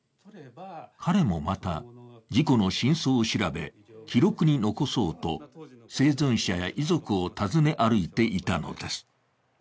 彼もまた、事故の真相を調べ記録に残そうと生存者や遺族を訪ね歩いていたのです。